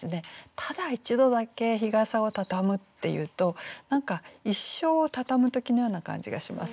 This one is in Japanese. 「ただ一度だけ日傘をたたむ」っていうと何か一生をたたむ時のような感じがしませんか？